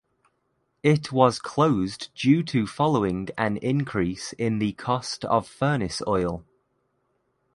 It was closed due to following an increase in the cost of furnace oil.